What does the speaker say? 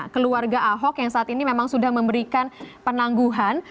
keluarga ahok yang saat ini memang sudah memberikan penangguhan